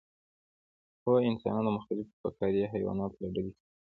هو انسانان د پرمختللو فقاریه حیواناتو له ډلې څخه دي